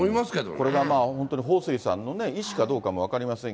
これがまあ本当に彭帥さんの意思かどうかも分かりません